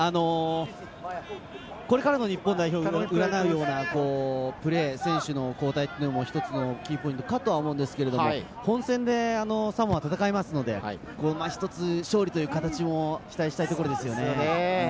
これからの日本代表をうらなうようなプレー、選手の交代というのも一つのキーポイントかと思うんですけれど、本戦でサモアと戦いますので、１つ勝利という形も期待したいところですよね。